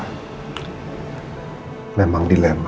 hai memang dilema